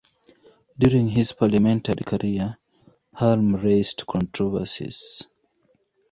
During his parliamentary career, Halme raised controversies.